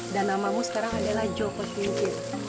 dan namamu sekarang adalah joko tingkir